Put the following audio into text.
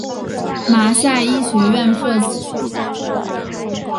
马赛医学院设此。